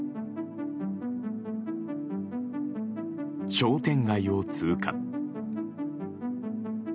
商店街を通過。